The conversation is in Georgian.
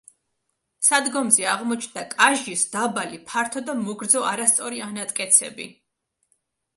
სადგომზე აღმოჩნდა კაჟის დაბალი, ფართო და მოგრძო არასწორი ანატკეცები.